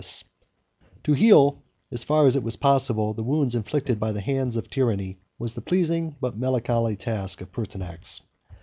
] To heal, as far as it was possible, the wounds inflicted by the hand of tyranny, was the pleasing, but melancholy, task of Pertinax.